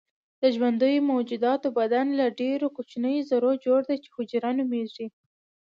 د ژوندیو موجوداتو بدن له ډیرو کوچنیو ذرو جوړ دی چې حجره نومیږي